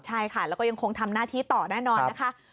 ใช่ค่ะแล้วก็ยังคงทำหน้าที่ต่อแน่นอนนะคะ